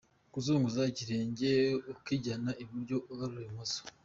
Kuzunguza ikirenge ukijyana iburyo ugarura ibumoso:.